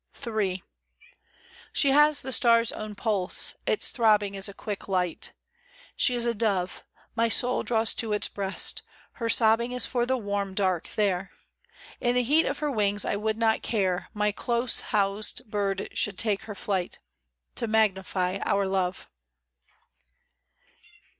54 She has the star's own pulse ; its throbbing Is a quick light. She is a dove My soul draws to its breast ; her sobbing Is for the warm dark there 1 In the heat of her wings I would not care My close housed bird should take her flight To magnify our love.